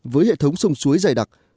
với hệ thống sông suối dày đặc